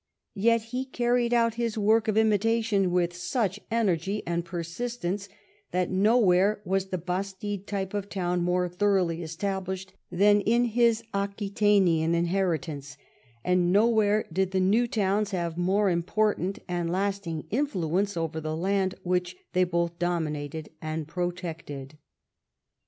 Yet he carried out his work of imitation with such energy and persistence that nowhere was the bastide type of town more thoroughly established than in his Aquitanian inheritance, and nowhere did the "new towns" have more important and lasting influence over the land which they both dominated and protected.